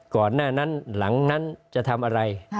ก่อนหน้านั้นหลังนั้นจะทำอะไร